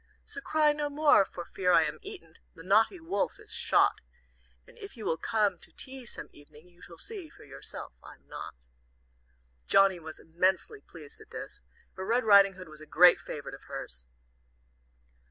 "So cry no more for fear I am eaten, The naughty wolf is shot, And if you will come to tea some evening You shall see for yourself I'm not." Johnnie was immensely pleased at this, for Red Riding Hood was a great favorite of hers.